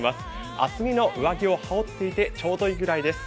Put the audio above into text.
厚手の上着を羽織っていてちょうどいいくらいです。